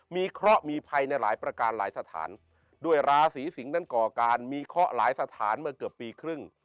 มีเคราะห์มีภัยในหลายประการหลายสถานด้วยราศีสิงศ์นั้นก่อการมีเคราะห์หลายสถานเมื่อเกือบปีครึ่ง